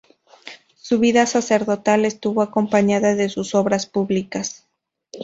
Su vida sacerdotal estuvo acompañada de sus obras públicas.